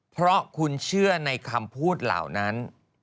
เพราะคุณเชื่อในคำพูดเหล่านั้น